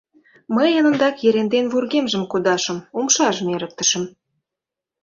Мый эн ондак Ерентен вургемжым кудашым, умшажым эрыктышым.